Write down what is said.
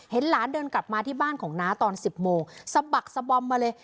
หลานเดินกลับมาที่บ้านของน้าตอน๑๐โมงสะบักสะบอมมาเลย